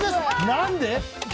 何で？